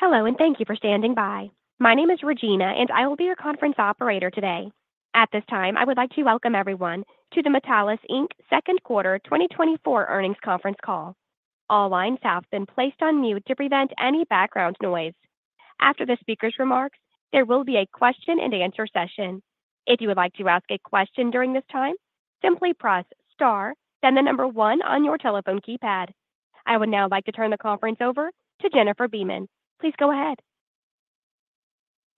Hello, and thank you for standing by. My name is Regina, and I will be your conference operator today. At this time, I would like to welcome everyone to the Metallus Inc. Second Quarter 2024 Earnings Conference Call. All lines have been placed on mute to prevent any background noise. After the speaker's remarks, there will be a question-and-answer session. If you would like to ask a question during this time, simply press Star, then the number 1 on your telephone keypad. I would now like to turn the conference over to Jennifer Beeman. Please go ahead.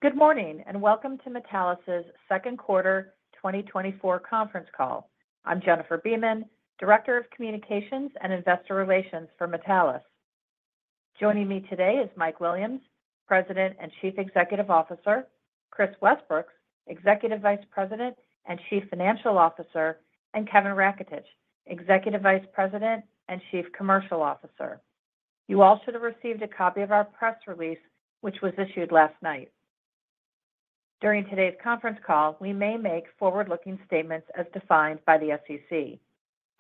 Good morning, and welcome to Metallus's Second Quarter 2024 Conference Call. I'm Jennifer Beeman, Director of Communications and Investor Relations for Metallus. Joining me today is Mike Williams, President and Chief Executive Officer; Kris Westbrooks, Executive Vice President and Chief Financial Officer; and Kevin Raketich, Executive Vice President and Chief Commercial Officer. You all should have received a copy of our press release, which was issued last night. During today's conference call, we may make forward-looking statements as defined by the SEC.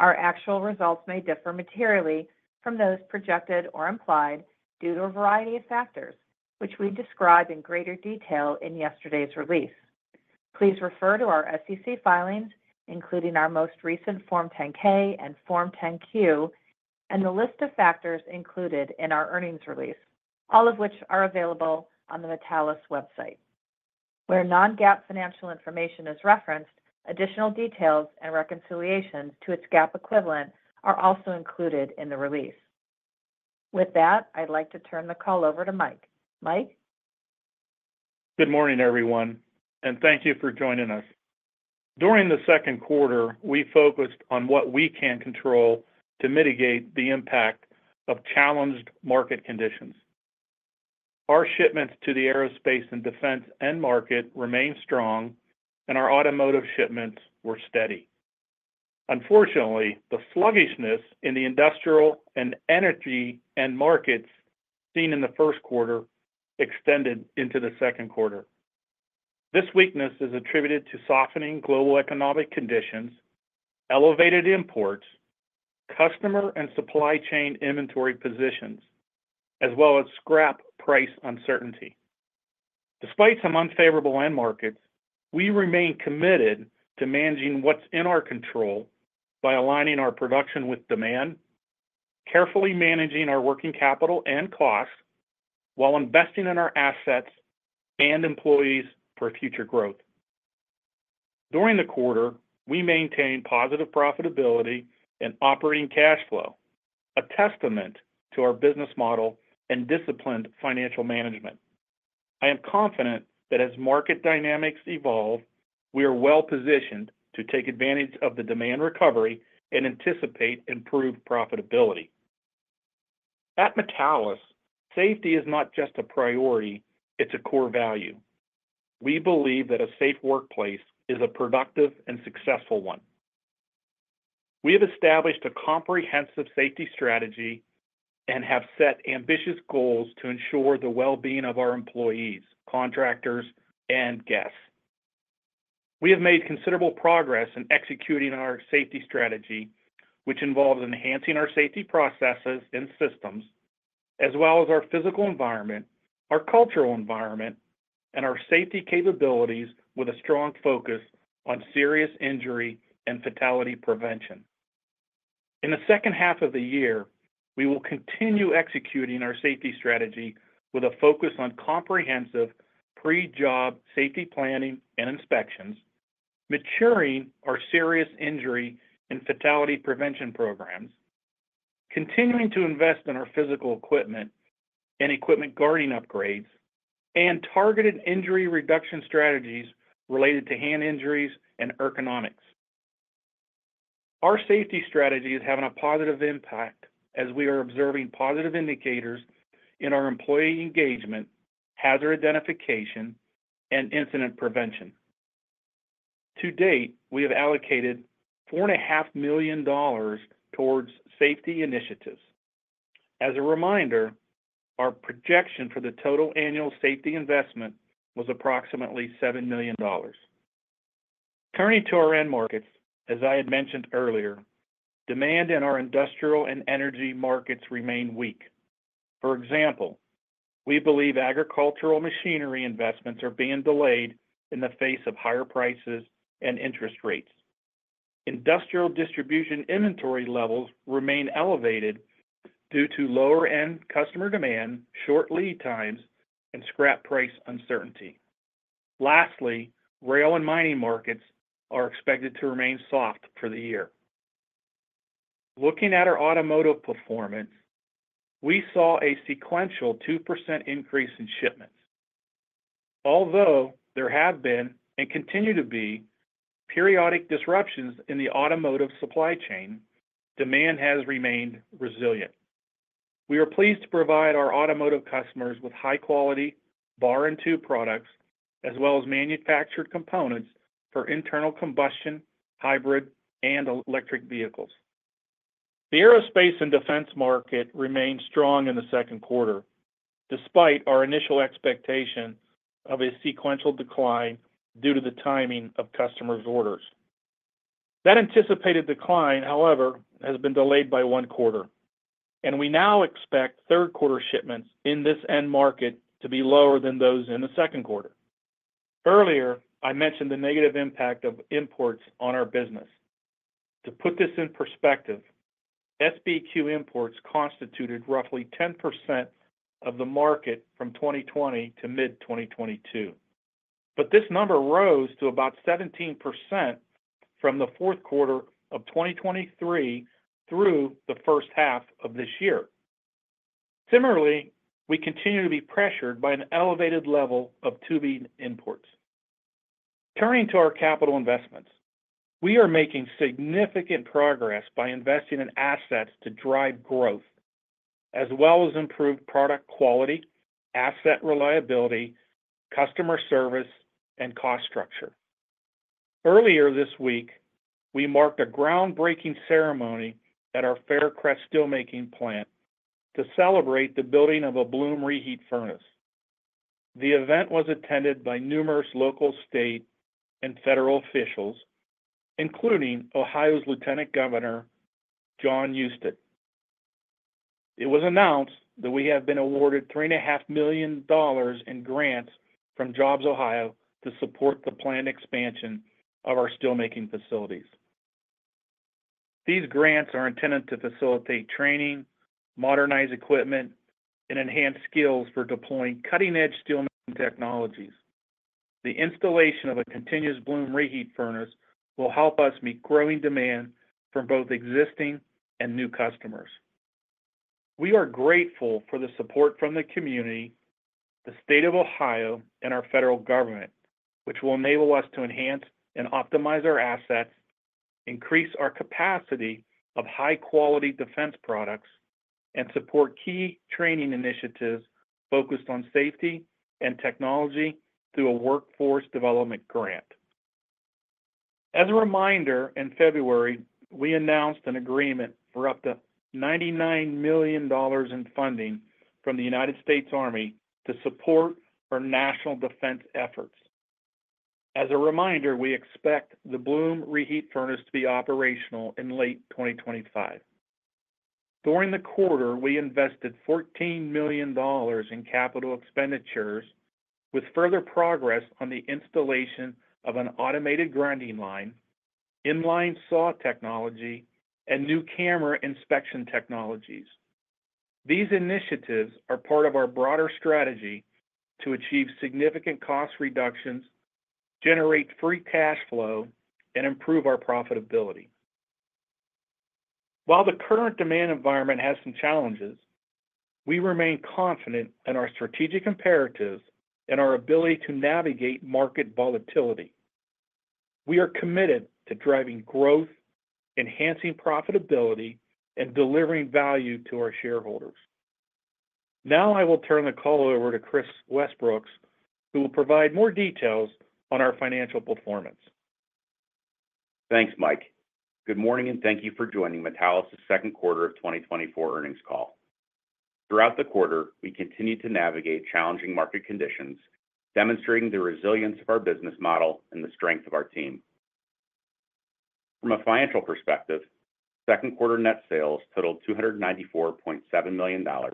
Our actual results may differ materially from those projected or implied due to a variety of factors, which we describe in greater detail in yesterday's release. Please refer to our SEC filings, including our most recent Form 10-K and Form 10-Q, and the list of factors included in our earnings release, all of which are available on the Metallus website. Where non-GAAP financial information is referenced, additional details and reconciliations to its GAAP equivalent are also included in the release. With that, I'd like to turn the call over to Mike. Mike? Good morning, everyone, and thank you for joining us. During the second quarter, we focused on what we can control to mitigate the impact of challenged market conditions. Our shipments to the aerospace and defense end market remained strong, and our automotive shipments were steady. Unfortunately, the sluggishness in the industrial and energy end markets seen in the first quarter extended into the second quarter. This weakness is attributed to softening global economic conditions, elevated imports, customer and supply chain inventory positions, as well as scrap price uncertainty. Despite some unfavorable end markets, we remain committed to managing what's in our control by aligning our production with demand, carefully managing our working capital and costs, while investing in our assets and employees for future growth. During the quarter, we maintained positive profitability and operating cash flow, a testament to our business model and disciplined financial management. I am confident that as market dynamics evolve, we are well-positioned to take advantage of the demand recovery and anticipate improved profitability. At Metallus, safety is not just a priority, it's a core value. We believe that a safe workplace is a productive and successful one. We have established a comprehensive safety strategy and have set ambitious goals to ensure the well-being of our employees, contractors, and guests. We have made considerable progress in executing our safety strategy, which involves enhancing our safety processes and systems, as well as our physical environment, our cultural environment, and our safety capabilities with a strong focus on serious injury and fatality prevention. In the second half of the year, we will continue executing our safety strategy with a focus on comprehensive pre-job safety planning and inspections, maturing our serious injury and fatality prevention programs, continuing to invest in our physical equipment and equipment guarding upgrades, and targeted injury reduction strategies related to hand injuries and ergonomics. Our safety strategy is having a positive impact as we are observing positive indicators in our employee engagement, hazard identification, and incident prevention. To date, we have allocated $4.5 million towards safety initiatives. As a reminder, our projection for the total annual safety investment was approximately $7 million. Turning to our end markets, as I had mentioned earlier, demand in our industrial and energy markets remain weak. For example, we believe agricultural machinery investments are being delayed in the face of higher prices and interest rates. Industrial distribution inventory levels remain elevated due to lower-end customer demand, short lead times, and scrap price uncertainty. Lastly, rail and mining markets are expected to remain soft for the year. Looking at our automotive performance, we saw a sequential 2% increase in shipments. Although there have been, and continue to be, periodic disruptions in the automotive supply chain, demand has remained resilient. We are pleased to provide our automotive customers with high-quality bar and tube products, as well as manufactured components for internal combustion, hybrid, and electric vehicles. The aerospace and defense market remained strong in the second quarter, despite our initial expectation of a sequential decline due to the timing of customers' orders. That anticipated decline, however, has been delayed by one quarter, and we now expect third quarter shipments in this end market to be lower than those in the second quarter. Earlier, I mentioned the negative impact of imports on our business. To put this in perspective, SBQ imports constituted roughly 10% of the market from 2020 to mid-2022, but this number rose to about 17% from the fourth quarter of 2023 through the first half of this year. Similarly, we continue to be pressured by an elevated level of tubing imports. Turning to our capital investments, we are making significant progress by investing in assets to drive growth, as well as improve product quality, asset reliability, customer service, and cost structure. Earlier this week, we marked a groundbreaking ceremony at our Faircrest steelmaking plant to celebrate the building of a bloom reheat furnace. The event was attended by numerous local, state, and federal officials, including Ohio's Lieutenant Governor, Jon Husted. It was announced that we have been awarded $3.5 million in grants from JobsOhio to support the planned expansion of our steelmaking facilities. These grants are intended to facilitate training, modernize equipment, and enhance skills for deploying cutting-edge steelmaking technologies. The installation of a continuous bloom reheat furnace will help us meet growing demand from both existing and new customers. We are grateful for the support from the community, the State of Ohio, and our federal government, which will enable us to enhance and optimize our assets, increase our capacity of high-quality defense products, and support key training initiatives focused on safety and technology through a workforce development grant. As a reminder, in February, we announced an agreement for up to $99 million in funding from the United States Army to support our national defense efforts. As a reminder, we expect the bloom reheat furnace to be operational in late 2025. During the quarter, we invested $14 million in capital expenditures, with further progress on the installation of an automated grinding line, in-line saw technology, and new camera inspection technologies. These initiatives are part of our broader strategy to achieve significant cost reductions, generate free cash flow, and improve our profitability. While the current demand environment has some challenges, we remain confident in our strategic imperatives and our ability to navigate market volatility. We are committed to driving growth, enhancing profitability, and delivering value to our shareholders. Now, I will turn the call over to Kris Westbrooks, who will provide more details on our financial performance. Thanks, Mike. Good morning, and thank you for joining Metallus' second quarter of 2024 earnings call. Throughout the quarter, we continued to navigate challenging market conditions, demonstrating the resilience of our business model and the strength of our team. From a financial perspective, second quarter net sales totaled $294.7 million, a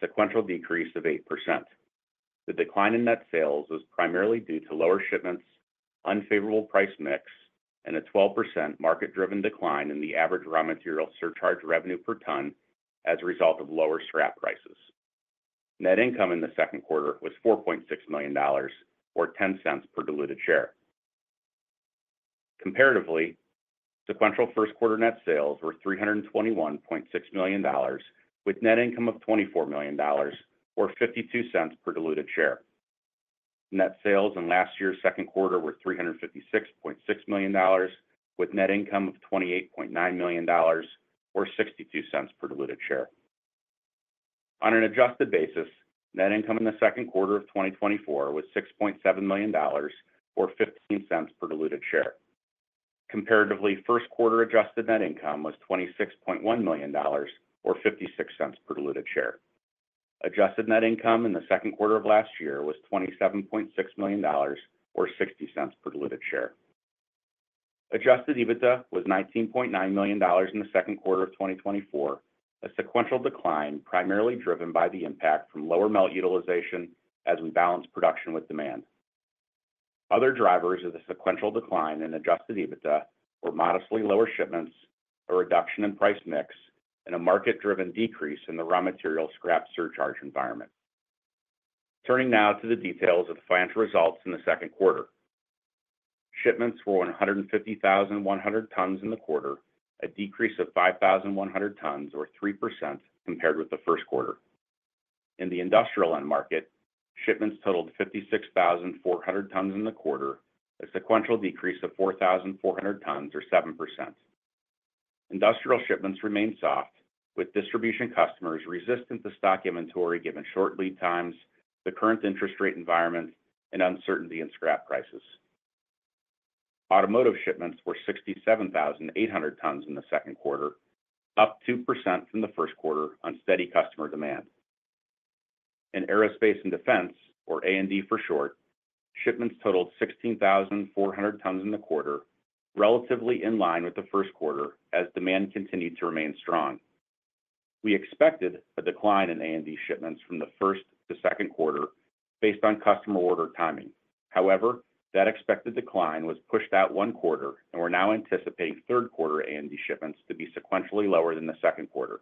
sequential decrease of 8%. The decline in net sales was primarily due to lower shipments, unfavorable price mix, and a 12% market-driven decline in the average raw material surcharge revenue per ton as a result of lower scrap prices. Net income in the second quarter was $4.6 million, or $0.10 per diluted share. Comparatively, sequential first quarter net sales were $321.6 million, with net income of $24 million, or $0.52 per diluted share. Net sales in last year's second quarter were $356.6 million, with net income of $28.9 million, or $0.62 per diluted share. On an adjusted basis, net income in the second quarter of 2024 was $6.7 million, or $0.15 per diluted share. Comparatively, first quarter adjusted net income was $26.1 million, or $0.56 per diluted share. Adjusted net income in the second quarter of last year was $27.6 million, or $0.60 per diluted share. Adjusted EBITDA was $19.9 million in the second quarter of 2024, a sequential decline primarily driven by the impact from lower melt utilization as we balanced production with demand. Other drivers of the sequential decline in Adjusted EBITDA were modestly lower shipments, a reduction in price mix, and a market-driven decrease in the raw material scrap surcharge environment. Turning now to the details of the financial results in the second quarter. Shipments were 150,100 tons in the quarter, a decrease of 5,100 tons or 3% compared with the first quarter. In the industrial end market, shipments totaled 56,400 tons in the quarter, a sequential decrease of 4,400 tons, or 7%. Industrial shipments remained soft, with distribution customers resistant to stock inventory given short lead times, the current interest rate environment, and uncertainty in scrap prices. Automotive shipments were 67,800 tons in the second quarter, up 2% from the first quarter on steady customer demand. In aerospace and defense, or A&D for short, shipments totaled 16,400 tons in the quarter, relatively in line with the first quarter, as demand continued to remain strong. We expected a decline in A&D shipments from the first to second quarter based on customer order timing. However, that expected decline was pushed out one quarter, and we're now anticipating third quarter A&D shipments to be sequentially lower than the second quarter.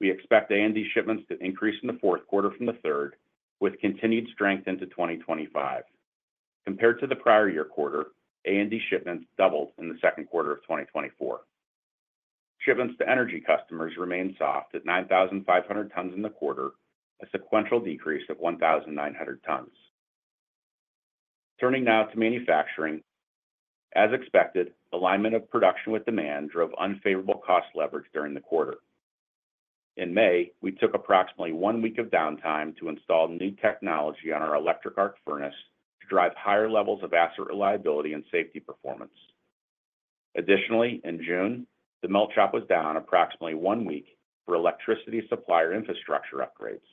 We expect A&D shipments to increase in the fourth quarter from the third, with continued strength into 2025. Compared to the prior year quarter, A&D shipments doubled in the second quarter of 2024. Shipments to energy customers remained soft at 9,500 tons in the quarter, a sequential decrease of 1,900 tons. Turning now to manufacturing. As expected, alignment of production with demand drove unfavorable cost leverage during the quarter. In May, we took approximately one week of downtime to install new technology on our electric arc furnace to drive higher levels of asset reliability and safety performance. Additionally, in June, the melt shop was down approximately one week for electricity supplier infrastructure upgrades.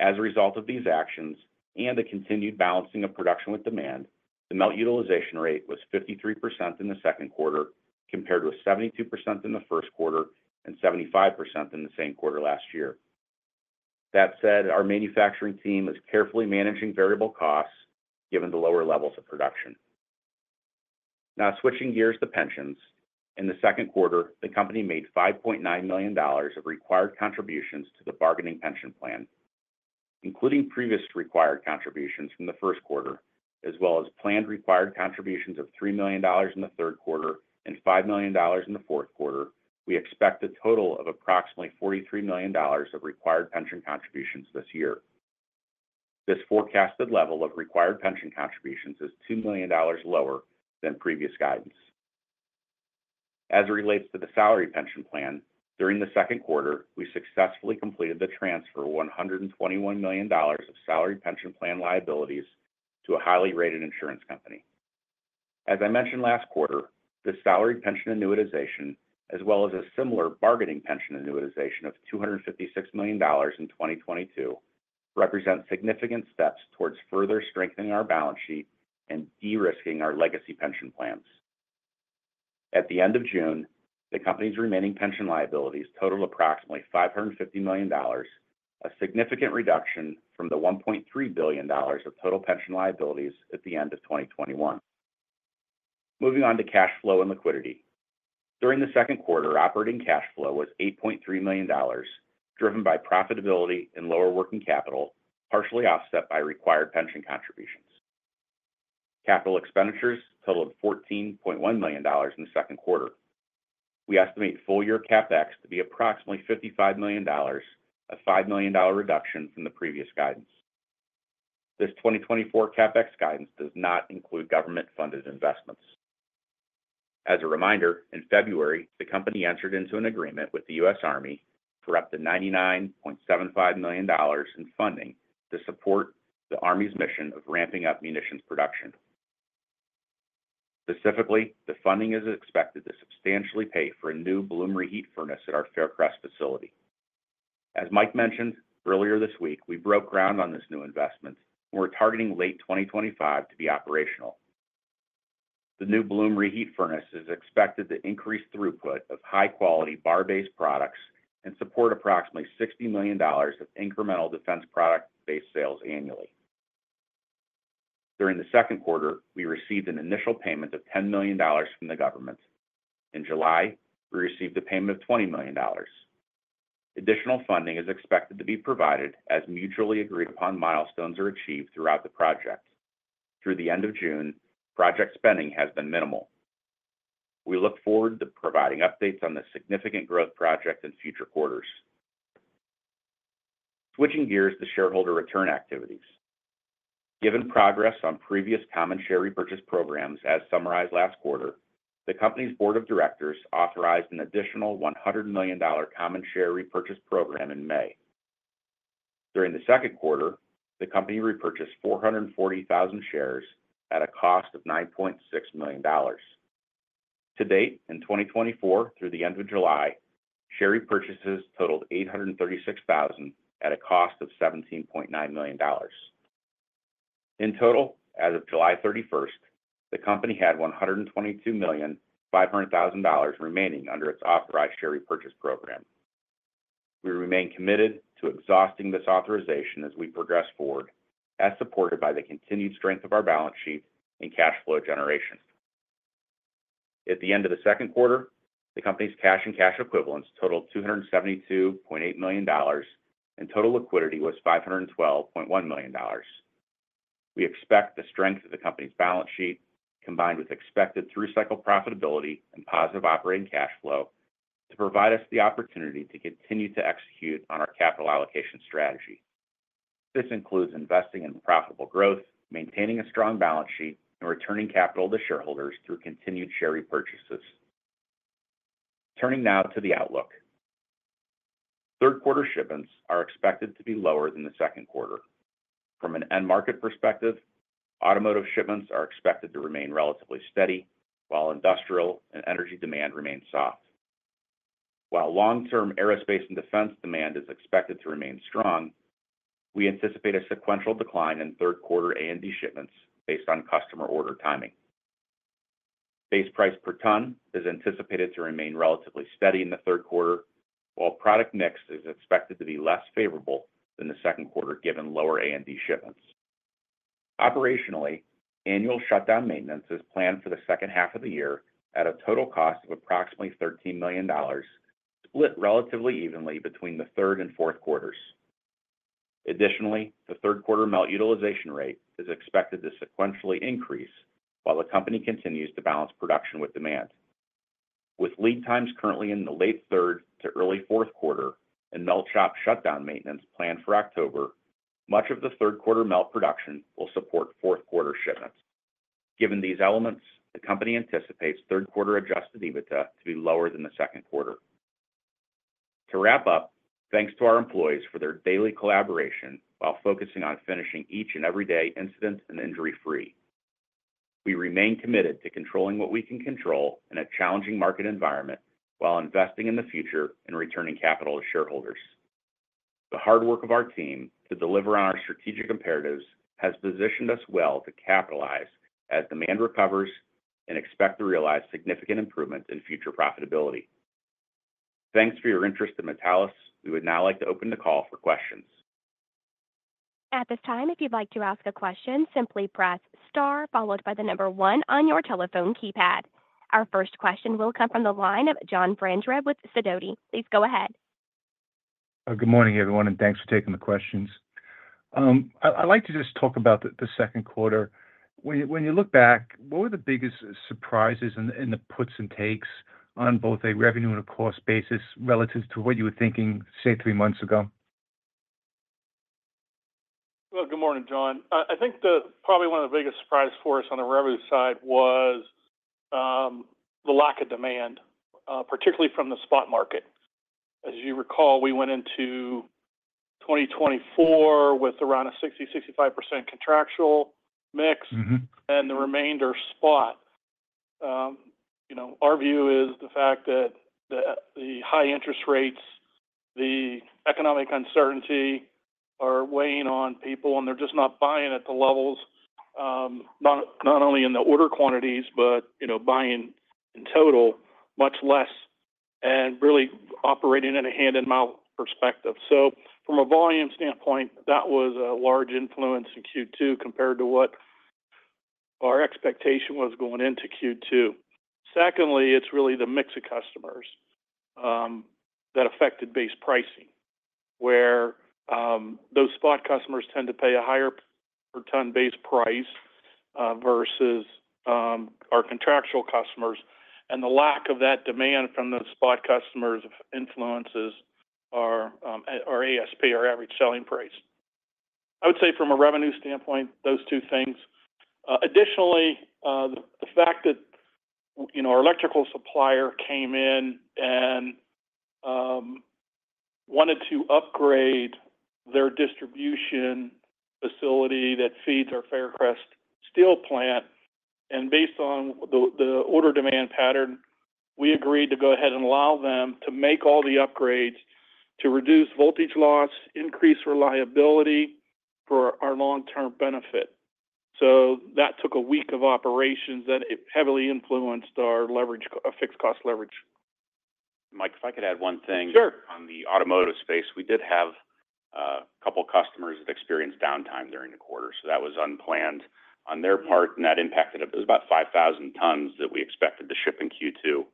As a result of these actions and the continued balancing of production with demand, the melt utilization rate was 53% in the second quarter, compared with 72% in the first quarter and 75% in the same quarter last year. That said, our manufacturing team is carefully managing variable costs given the lower levels of production. Now, switching gears to pensions. In the second quarter, the company made $5.9 million of required contributions to the bargaining pension plan, including previous required contributions from the first quarter, as well as planned required contributions of $3 million in the third quarter and $5 million in the fourth quarter. We expect a total of approximately $43 million of required pension contributions this year. This forecasted level of required pension contributions is $2 million lower than previous guidance. As it relates to the salary pension plan, during the second quarter, we successfully completed the transfer of $121 million of salary pension plan liabilities to a highly rated insurance company. As I mentioned last quarter, this salary pension annuitization, as well as a similar bargaining pension annuitization of $256 million in 2022, represent significant steps towards further strengthening our balance sheet and de-risking our legacy pension plans. At the end of June, the company's remaining pension liabilities totaled approximately $550 million, a significant reduction from the $1.3 billion of total pension liabilities at the end of 2021. Moving on to cash flow and liquidity. During the second quarter, operating cash flow was $8.3 million, driven by profitability and lower working capital, partially offset by required pension contributions. Capital expenditures totaled $14.1 million in the second quarter. We estimate full year CapEx to be approximately $55 million, a $5 million reduction from the previous guidance. This 2024 CapEx guidance does not include government-funded investments. As a reminder, in February, the company entered into an agreement with the U.S. Army for up to $99.75 million in funding to support the Army's mission of ramping up munitions production. Specifically, the funding is expected to substantially pay for a new bloom reheat furnace at our Faircrest facility. As Mike mentioned, earlier this week, we broke ground on this new investment. We're targeting late 2025 to be operational. The new bloom reheat furnace is expected to increase throughput of high-quality bar-based products and support approximately $60 million of incremental defense product-based sales annually. During the second quarter, we received an initial payment of $10 million from the government. In July, we received a payment of $20 million. Additional funding is expected to be provided as mutually agreed upon milestones are achieved throughout the project. Through the end of June, project spending has been minimal. We look forward to providing updates on this significant growth project in future quarters. Switching gears to shareholder return activities. Given progress on previous common share repurchase programs as summarized last quarter, the company's board of directors authorized an additional $100 million common share repurchase program in May. During the second quarter, the company repurchased 440,000 shares at a cost of $9.6 million. To date, in 2024, through the end of July, share repurchases totaled 836,000 at a cost of $17.9 million. In total, as of July 31st, the company had $122.5 million remaining under its authorized share repurchase program. We remain committed to exhausting this authorization as we progress forward, as supported by the continued strength of our balance sheet and cash flow generation. At the end of the second quarter, the company's cash and cash equivalents totaled $272.8 million, and total liquidity was $512.1 million. We expect the strength of the company's balance sheet, combined with expected through-cycle profitability and positive operating cash flow, to provide us the opportunity to continue to execute on our capital allocation strategy. This includes investing in profitable growth, maintaining a strong balance sheet, and returning capital to shareholders through continued share repurchases. Turning now to the outlook. Third quarter shipments are expected to be lower than the second quarter. From an end market perspective, automotive shipments are expected to remain relatively steady, while industrial and energy demand remain soft. While long-term aerospace and defense demand is expected to remain strong, we anticipate a sequential decline in third quarter A&D shipments based on customer order timing. Base price per ton is anticipated to remain relatively steady in the third quarter, while product mix is expected to be less favorable than the second quarter, given lower A&D shipments. Operationally, annual shutdown maintenance is planned for the second half of the year at a total cost of approximately $13 million, split relatively evenly between the third and fourth quarters. Additionally, the third quarter melt utilization rate is expected to sequentially increase while the company continues to balance production with demand. With lead times currently in the late third to early fourth quarter and melt shop shutdown maintenance planned for October, much of the third quarter melt production will support fourth quarter shipments. Given these elements, the company anticipates third quarter Adjusted EBITDA to be lower than the second quarter. To wrap up, thanks to our employees for their daily collaboration while focusing on finishing each and every day incident and injury-free. We remain committed to controlling what we can control in a challenging market environment while investing in the future and returning capital to shareholders. The hard work of our team to deliver on our strategic imperatives has positioned us well to capitalize as demand recovers and expect to realize significant improvements in future profitability. Thanks for your interest in Metallus. We would now like to open the call for questions. At this time, if you'd like to ask a question, simply press star followed by the number one on your telephone keypad. Our first question will come from the line of John Franzreb with Sidoti. Please go ahead. Good morning, everyone, and thanks for taking the questions. I'd like to just talk about the second quarter. When you look back, what were the biggest surprises and the puts and takes on both a revenue and a cost basis relative to what you were thinking, say, three months ago? Well, good morning, John. I think probably one of the biggest surprise for us on the revenue side was the lack of demand, particularly from the spot market. As you recall, we went into 2024 with around a 60%-65% contractual mix and the remainder spot. You know, our view is the fact that the high interest rates, the economic uncertainty are weighing on people, and they're just not buying at the levels, not only in the order quantities, but, you know, buying in total much less and really operating at a hand-in-mouth perspective. So from a volume standpoint, that was a large influence in Q2 compared to what our expectation was going into Q2. Secondly, it's really the mix of customers that affected base pricing, where those spot customers tend to pay a higher per ton base price versus our contractual customers. And the lack of that demand from those spot customers influences our our ASP, our average selling price. I would say from a revenue standpoint, those two things. Additionally, the fact that, you know, our electrical supplier came in and wanted to upgrade their distribution facility that feeds our Faircrest steel plant, and based on the order demand pattern, we agreed to go ahead and allow them to make all the upgrades to reduce voltage loss, increase reliability for our long-term benefit. So that took a week of operations that heavily influenced our leverage, fixed cost leverage. Mike, if I could add one thing- Sure. On the automotive space, we did have a couple customers that experienced downtime during the quarter, so that was unplanned on their part, and that impacted. It was about 5,000 tons that we expected to ship in Q2,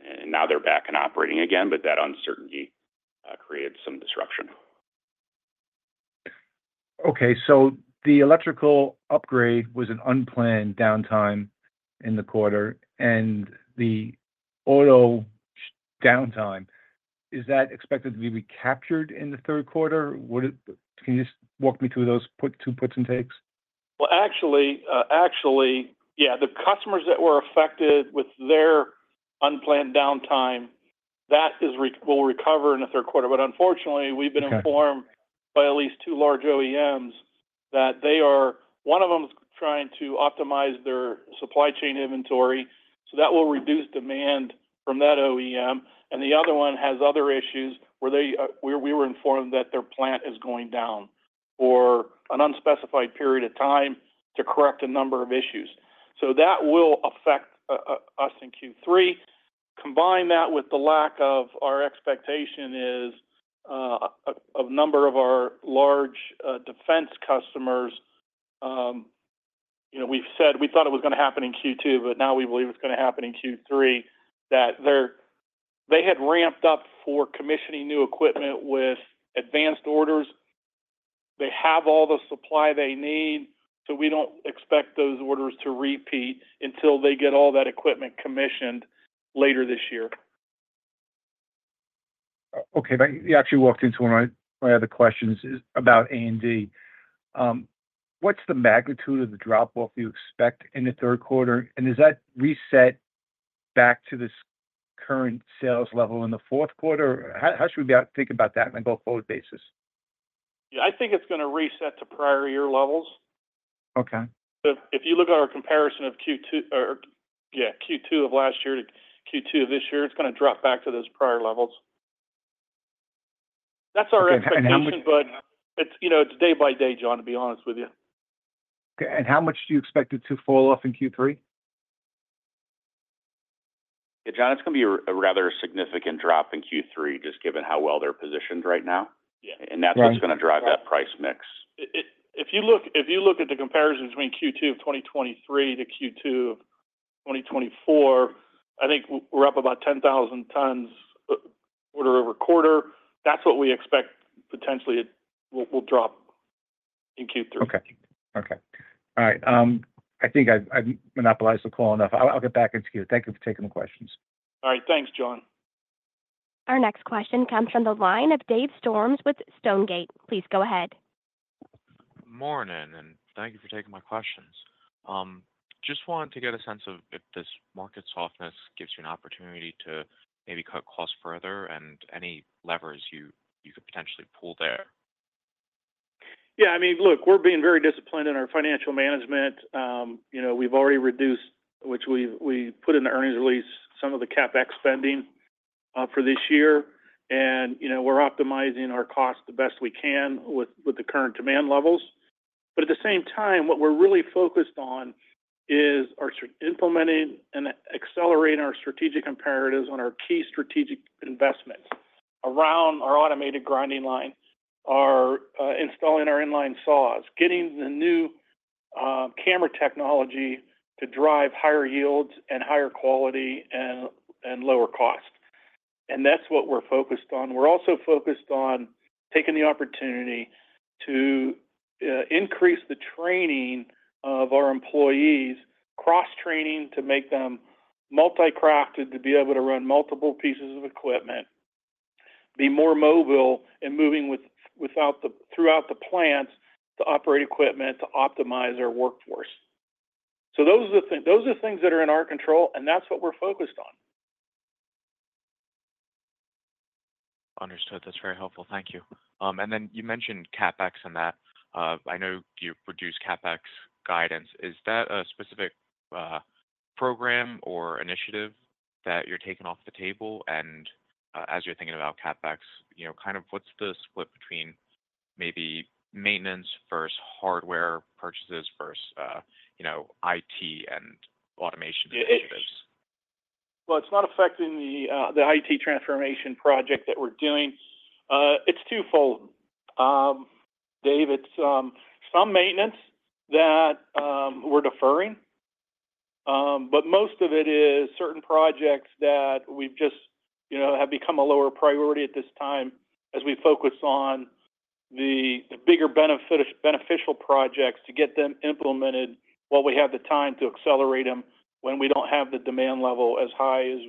and now they're back and operating again, but that uncertainty created some disruption. Okay. So the electrical upgrade was an unplanned downtime in the quarter, and the auto downtime, is that expected to be recaptured in the third quarter? Would it? Can you just walk me through those two puts and takes? Well, actually, actually, yeah, the customers that were affected with their unplanned downtime, that is will recover in the third quarter. But unfortunately, we've been informed- Okay... by at least two large OEMs that they are one of them is trying to optimize their supply chain inventory, so that will reduce demand from that OEM. And the other one has other issues where we were informed that their plant is going down for an unspecified period of time to correct a number of issues. So that will affect us in Q3. Combine that with the lack of our expectation is a number of our large defense customers, you know, we've said we thought it was going to happen in Q2, but now we believe it's going to happen in Q3, that they had ramped up for commissioning new equipment with advanced orders. They have all the supply they need, so we don't expect those orders to repeat until they get all that equipment commissioned later this year. Okay. Thank you. You actually walked into one of my, my other questions about A&D. What's the magnitude of the drop-off you expect in the third quarter, and is that reset? back to this current sales level in the fourth quarter? How, how should we be, think about that on a go-forward basis? Yeah, I think it's gonna reset to prior year levels. Okay. So if you look at our comparison of Q2 of last year to Q2 of this year, it's gonna drop back to those prior levels. That's our expectation. Okay, and how much- But it's, you know, it's day by day, John, to be honest with you. Okay, and how much do you expect it to fall off in Q3? Yeah, John, it's gonna be a rather significant drop in Q3, just given how well they're positioned right now. Yeah. And that's- Right... what's gonna drive that price mix. If you look at the comparison between Q2 of 2023 to Q2 of 2024, I think we're up about 10,000 tons quarter-over-quarter. That's what we expect, potentially, it will drop in Q3. Okay. Okay. All right, I think I've monopolized the call enough. I'll get back into queue. Thank you for taking the questions. All right, thanks, John. Our next question comes from the line of Dave Storms with Stonegate. Please go ahead. Morning, and thank you for taking my questions. Just wanted to get a sense of if this market softness gives you an opportunity to maybe cut costs further, and any levers you could potentially pull there? Yeah, I mean, look, we're being very disciplined in our financial management. You know, we've already reduced, which we've put in the earnings release, some of the CapEx spending for this year. And, you know, we're optimizing our costs the best we can with, with the current demand levels. But at the same time, what we're really focused on is implementing and accelerating our strategic imperatives on our key strategic investments around our automated grinding line, installing our in-line saws, getting the new camera technology to drive higher yields and higher quality and lower cost. And that's what we're focused on. We're also focused on taking the opportunity to increase the training of our employees, cross-training to make them multi-crafted, to be able to run multiple pieces of equipment, be more mobile in moving throughout the plants to operate equipment, to optimize our workforce. So those are things that are in our control, and that's what we're focused on. Understood. That's very helpful. Thank you. And then you mentioned CapEx in that. I know you've reduced CapEx guidance. Is that a specific program or initiative that you're taking off the table? And as you're thinking about CapEx, you know, kind of what's the split between maybe maintenance versus hardware purchases versus, you know, IT and automation initiatives? Well, it's not affecting the IT transformation project that we're doing. It's twofold. Dave, it's some maintenance that we're deferring, but most of it is certain projects that we've just, you know, have become a lower priority at this time as we focus on the bigger beneficial projects to get them implemented while we have the time to accelerate them, when we don't have the demand level as high as,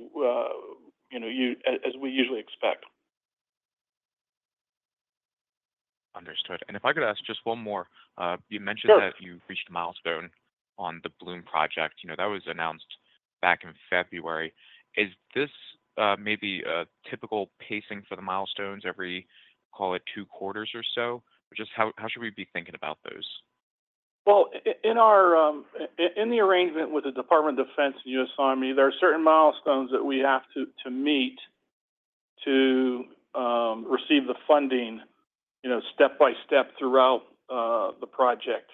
you know, as we usually expect. Understood. And if I could ask just one more. Sure. You mentioned that you've reached a milestone on the Bloom project. You know, that was announced back in February. Is this, maybe a typical pacing for the milestones every, call it, two quarters or so? Just how, how should we be thinking about those? Well, in our, in the arrangement with the Department of Defense and U.S. Army, there are certain milestones that we have to meet to receive the funding, you know, step by step throughout the project.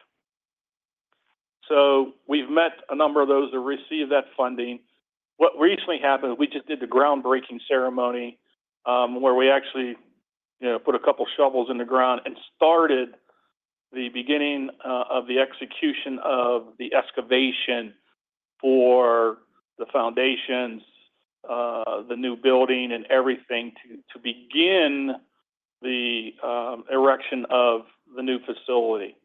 So we've met a number of those to receive that funding. What recently happened, we just did the groundbreaking ceremony, where we actually, you know, put a couple shovels in the ground and started the beginning of the execution of the excavation for the foundations, the new building, and everything to begin the erection of the new facility.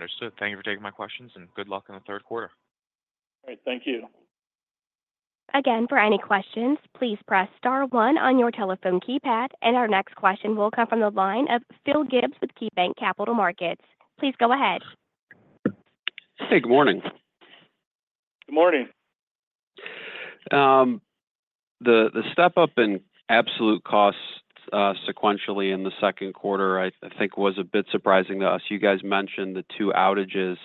Understood. Thank you for taking my questions, and good luck in the third quarter. All right, thank you. Again, for any questions, please press star one on your telephone keypad. Our next question will come from the line of Phil Gibbs with KeyBanc Capital Markets. Please go ahead. Hey, good morning. Good morning. The step up in absolute costs sequentially in the second quarter, I think was a bit surprising to us. You guys mentioned the two outages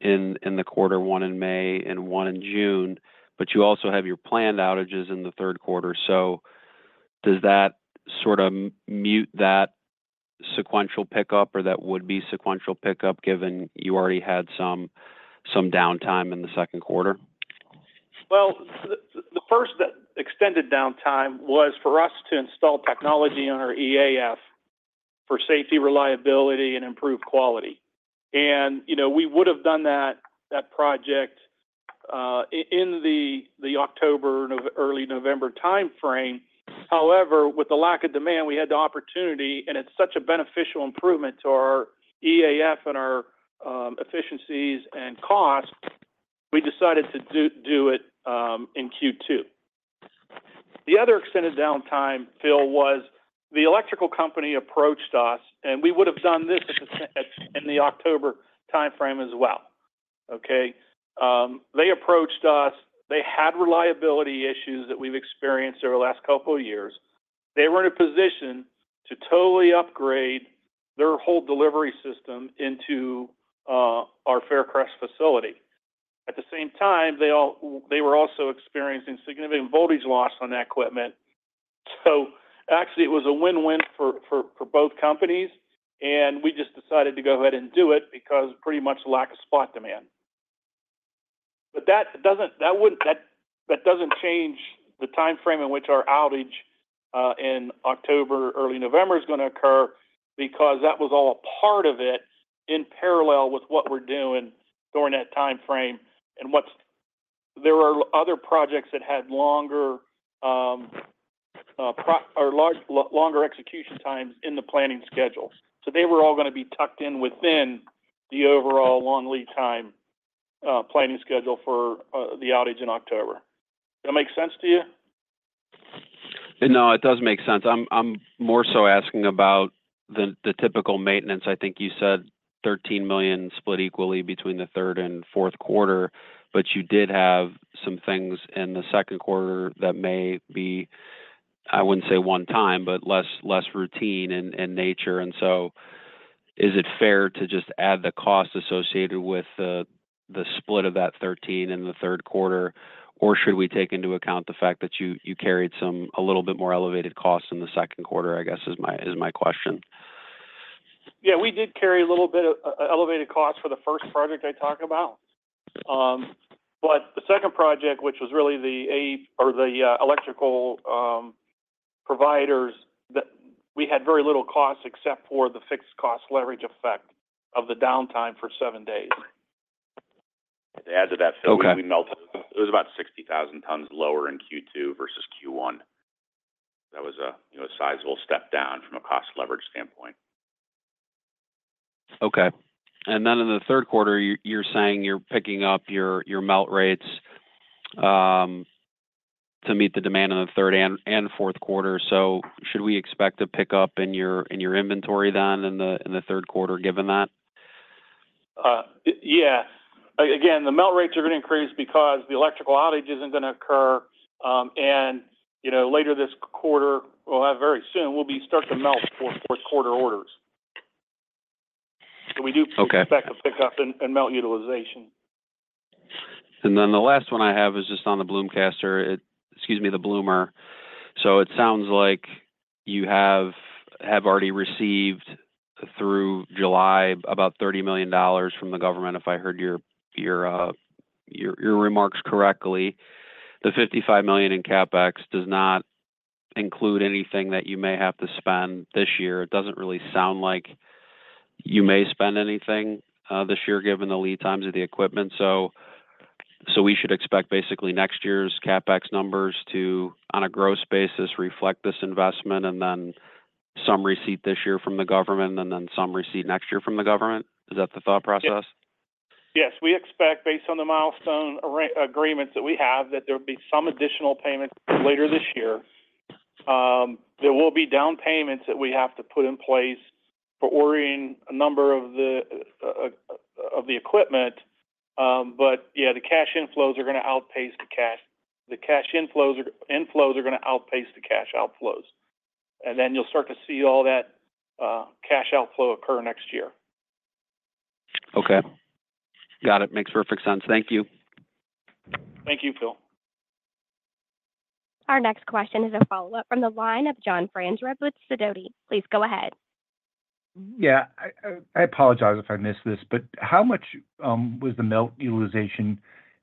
in the quarter, one in May and one in June, but you also have your planned outages in the third quarter. So does that sort of mute that sequential pickup, or that would be sequential pickup, given you already had some downtime in the second quarter? Well, the first extended downtime was for us to install technology on our EAF for safety, reliability, and improved quality. And, you know, we would have done that project in the October, early November time frame. However, with the lack of demand, we had the opportunity, and it's such a beneficial improvement to our EAF and our efficiencies and costs, we decided to do it in Q2. The other extended downtime, Phil, was the electrical company approached us, and we would have done this in the October timeframe as well, okay? They approached us. They had reliability issues that we've experienced over the last couple of years. They were in a position to totally upgrade their whole delivery system into our Faircrest facility. At the same time, they were also experiencing significant voltage loss on that equipment. So actually, it was a win-win for both companies, and we just decided to go ahead and do it because pretty much lack of spot demand. But that doesn't change the timeframe in which our outage in October, early November is gonna occur, because that was all a part of it in parallel with what we're doing during that timeframe. And there were other projects that had longer execution times in the planning schedules. So they were all gonna be tucked in within the overall long lead time planning schedule for the outage in October. Does that make sense to you? No, it does make sense. I'm more so asking about the typical maintenance. I think you said $13 million split equally between the third and fourth quarter, but you did have some things in the second quarter that maybe I wouldn't say one time, but less routine in nature. And so is it fair to just add the cost associated with the split of that $13 million in the third quarter? Or should we take into account the fact that you carried some a little bit more elevated costs in the second quarter, I guess, is my question. Yeah, we did carry a little bit of elevated cost for the first project I talked about. But the second project, which was really the A- or the electrical providers, we had very little cost except for the fixed cost leverage effect of the downtime for seven days. To add to that, Phil, Okay. We melt. It was about 60,000 tons lower in Q2 versus Q1. That was a, you know, a sizable step down from a cost leverage standpoint. Okay. And then in the third quarter, you're saying you're picking up your melt rates to meet the demand in the third and fourth quarter. So should we expect to pick up in your inventory then in the third quarter, given that? Yeah. Again, the melt rates are going to increase because the electrical outage isn't gonna occur. And, you know, later this quarter, well, very soon, we'll be start to melt for fourth quarter orders. Okay. So we do expect a pickup in melt utilization. And then the last one I have is just on the bloom caster. Excuse me, the bloomer. So it sounds like you have already received through July about $30 million from the government, if I heard your remarks correctly. The $55 million in CapEx does not include anything that you may have to spend this year. It doesn't really sound like you may spend anything this year, given the lead times of the equipment. So we should expect basically next year's CapEx numbers to, on a gross basis, reflect this investment and then some receipt this year from the government, and then some receipt next year from the government? Is that the thought process? Yes. We expect, based on the milestone array agreements that we have, that there will be some additional payments later this year. There will be down payments that we have to put in place for ordering a number of the equipment. But yeah, the cash inflows are gonna outpace the cash outflows, and then you'll start to see all that cash outflow occur next year. Okay. Got it. Makes perfect sense. Thank you. Thank you, Phil. Our next question is a follow-up from the line of John Franzreb with Sidoti. Please go ahead. Yeah. I apologize if I missed this, but how much was the melt utilization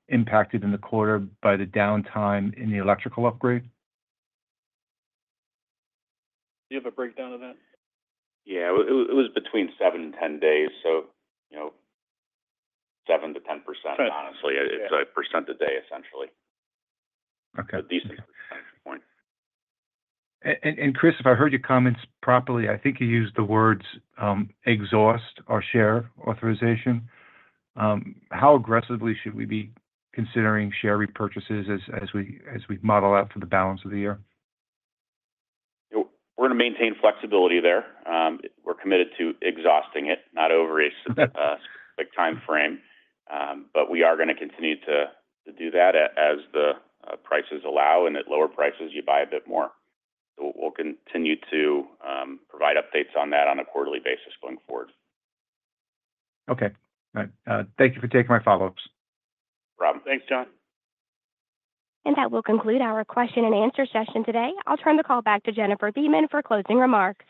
impacted in the quarter by the downtime in the electrical upgrade? Do you have a breakdown of that? Yeah. It was between 7 days - 10 days, so, you know, 7%-10%, honestly. Yeah. It's 1% a day, essentially. Okay. At least from my standpoint. Chris, if I heard your comments properly, I think you used the words, exhaust our share authorization. How aggressively should we be considering share repurchases as we model out for the balance of the year? We're gonna maintain flexibility there. We're committed to exhausting it, not over a, like, timeframe. But we are gonna continue to do that as the prices allow, and at lower prices, you buy a bit more. So we'll continue to provide updates on that on a quarterly basis going forward. Okay. All right, thank you for taking my follow-ups. No problem. Thanks, John. That will conclude our question and answer session today. I'll turn the call back to Jennifer Beeman for closing remarks.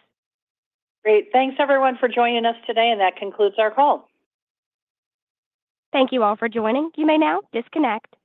Great. Thanks, everyone, for joining us today, and that concludes our call. Thank you all for joining. You may now disconnect.